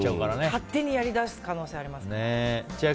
勝手にやりだす可能性がありますからね。